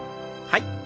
はい。